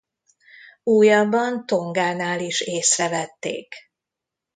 Újabban Tongánál is észrevették.